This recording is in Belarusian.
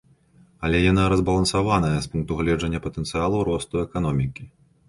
Але яна разбалансаваная з пункту гледжання патэнцыялу росту эканомікі.